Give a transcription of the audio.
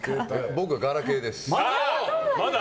僕、ガラケーです。